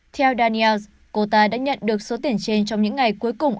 theo daniels cô ta đã nhận được số tiền trên trong những ngày cuối cùng